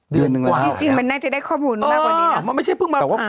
เดือนนึงแล้วหรอครับเออมันไม่ใช่เพิ่งมาผ่านจริงมันน่าจะได้ข้อมูลมากกว่านี้นะ